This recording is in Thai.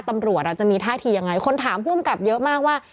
ตำรวจจะมีท่าทียังไงคนถามภูมิกับเยอะมากว่า